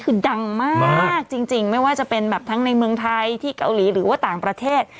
คือดังมากจริงไม่ว่าจะเป็นแบบทั้งในเมืองไทยที่เกาหลีหรือว่าต่างประเทศ